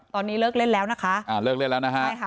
ตอนนี้เลิกเล่นแล้วนะคะ